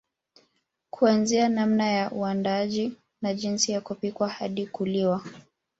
Kuanzia namna ya uandaaji na jinsi ya kupikwa hadi kuliwa